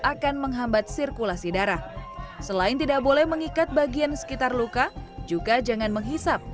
akan menghambat sirkulasi darah selain tidak boleh mengikat bagian sekitar luka juga jangan menghisap